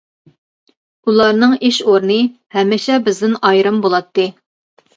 ئۇلارنىڭ ئىش ئورنى ھەمىشە بىزدىن ئايرىم بولاتتى.